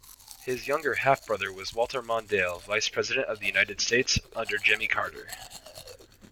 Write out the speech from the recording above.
His younger half-brother was Walter Mondale, Vice-President of the United States under Jimmy Carter.